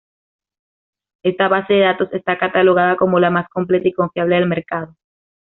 Esta base de datos está catalogada como la más completa y confiable del mercado.